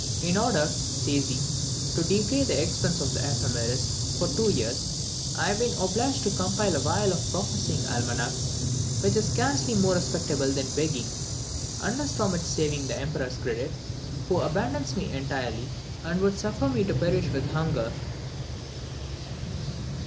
"In order," says he, "to defray the expense of the Ephemeris for two years, I have been obliged to compose a vile prophesying Almanac, which is scarcely more respectable than begging, unless from its saving the Emperor's credit, who abandons me entirely, and would suffer me to perish with hunger."